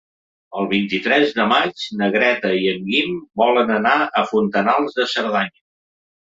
El vint-i-tres de maig na Greta i en Guim volen anar a Fontanals de Cerdanya.